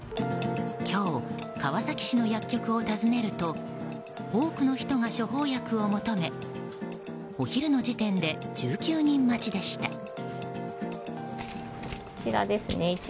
今日、川崎市の薬局を訪ねると多くの人が処方薬を求めお昼の時点で１９人待ちでした。